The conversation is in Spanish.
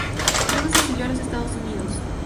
Luego se exilió a los Estados Unidos.